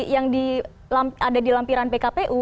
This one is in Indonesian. yang ada di lampiran pkpu